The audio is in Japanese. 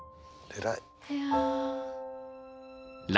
偉い。